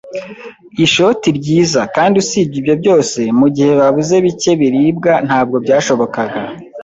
ishoti ryiza; kandi usibye ibyo byose, mugihe babuze bike biribwa, ntabwo byashobokaga